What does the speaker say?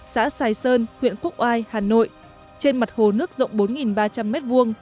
xã sài sơn huyện quốc oai hà nội trên mặt hồ nước rộng bốn ba trăm linh m hai